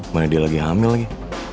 mending dia lagi hamil lagi